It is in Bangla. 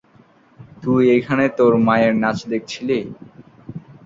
তুই এখানে তোর মায়ের নাচ দেখছিলি?